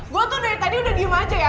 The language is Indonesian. gue tuh dari tadi udah diem aja ya